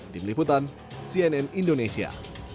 tim liputan cnn indonesia